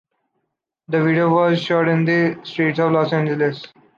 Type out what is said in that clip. The video was shot in the streets of Los Angeles